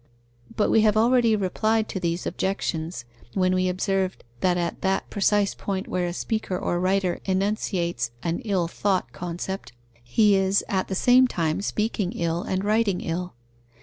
But we have already replied to these objections, when we observed that at that precise point where a speaker or a writer enunciates an ill thought concept, he is at the same time speaking ill and writing ill.